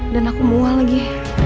dan aku mual lagi